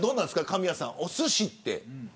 神谷さん、おすしって。